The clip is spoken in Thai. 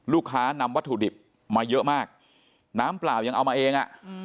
นำวัตถุดิบมาเยอะมากน้ำเปล่ายังเอามาเองอ่ะ